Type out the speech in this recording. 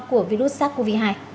của virus sars cov hai